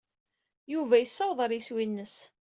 Yuba yessaweḍ ɣer yiswi-nnes.